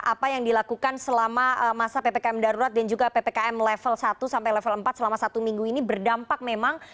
apa yang dilakukan selama masa ppkm darurat dan juga ppkm level satu sampai level empat selama satu minggu ini berdampak memang